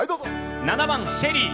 ７番「シェリー」。